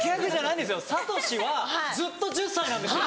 サトシはずっと１０歳なんですよ！